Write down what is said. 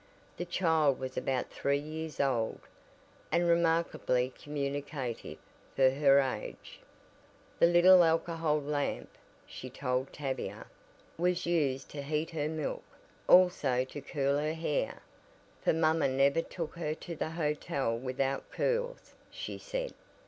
The child was about three years old, and remarkably communicative for her age. The little alcohol lamp, she told Tavia, was used to heat her milk, also to curl her hair, for mamma never took her to the hotel without curls, she said.